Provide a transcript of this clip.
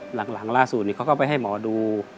หลังล่าสุดเขาก็ไปให้หมอดู